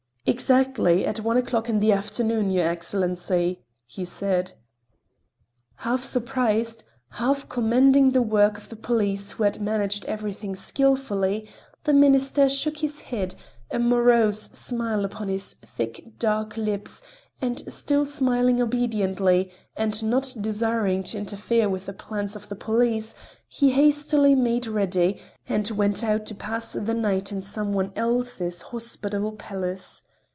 "Exactly at one o'clock in the afternoon, your Excellency," he said. Half surprised, half commending the work of the police, who had managed everything skilfully, the Minister shook his head, a morose smile upon his thick, dark lips, and still smiling obediently, and not desiring to interfere with the plans of the police, he hastily made ready, and went out to pass the night in some one else's hospitable palace.